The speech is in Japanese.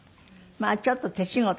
まあちょっと手仕事？